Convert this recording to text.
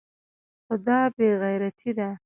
خو دا بې غيرتي ده.